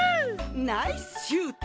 ナイスシュート！